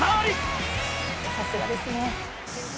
さすがですね。